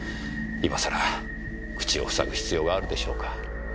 今さら口を塞ぐ必要があるでしょうか。